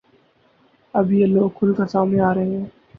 اب یہ لوگ کھل کر سامنے آ رہے ہیں